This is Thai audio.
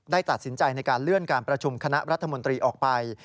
ตัดสินใจในการเลื่อนการประชุมคณะรัฐมนตรีออกไป